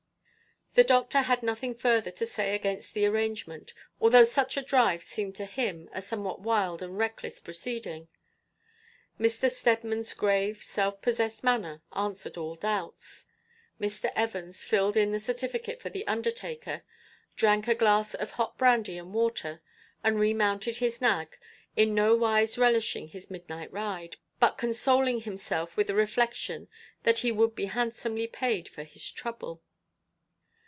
The doctor had nothing further to say against the arrangement, although such a drive seemed to him a somewhat wild and reckless proceeding. Mr. Steadman's grave, self possessed manner answered all doubts. Mr. Evans filled in the certificate for the undertaker, drank a glass of hot brandy and water, and remounted his nag, in nowise relishing his midnight ride, but consoling himself with the reflection that he would be handsomely paid for his trouble.